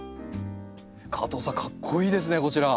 加藤さんかっこいいですねこちら。